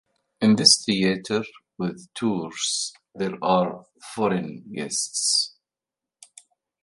In the theater with tours there are foreign guests.